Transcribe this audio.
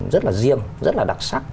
rất là riêng rất là đặc sắc